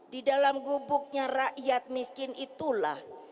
di dalam gubuknya rakyat miskin itulah